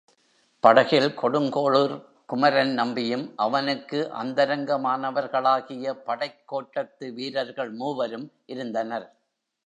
படகில் கொடுங்கோளுர் குமரன் நம்பியும் அவனுக்கு அந்தரங்கமானவர்களாகிய படைக் கோட்டத்து வீரர்கள் மூவரும் இருந்தனர்.